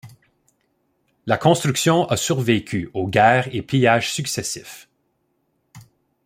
La construction a survécu aux guerres et pillages successifs.